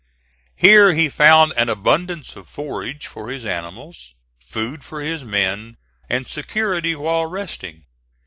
Here he found an abundance of forage for his animals, food for his men, and security while resting.